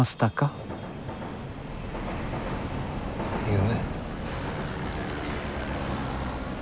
夢？